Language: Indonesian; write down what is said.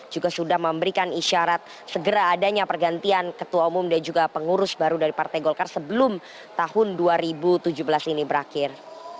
juga sudah memberikan isyarat segera adanya pergantian ketua umum dan juga pengurus baru dari partai golkar sebelum tahun dua ribu tujuh belas ini berakhir